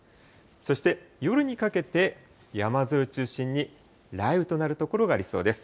そして夜にかけて、山沿いを中心に雷雨となる所がありそうです。